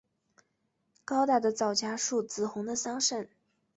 高大的皂荚树，紫红的桑葚